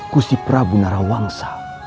busti prabu narawangsa